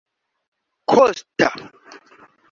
Kosta!